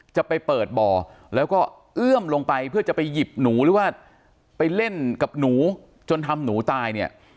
จะไปเปิดบ่อแล้วก็เอื้อมลงไปเพื่อจะไปหยิบหนูหรือว่าไปเล่นกับหนูจนทำหนูตายเนี่ย